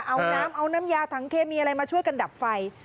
เอาน้ำเอาน้ำยาถังเคมีอะไรมาช่วยกันดับไฟ